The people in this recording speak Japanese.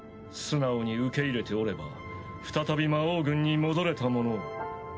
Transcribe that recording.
素直に受け入れておれば再び魔王軍に戻れたものを。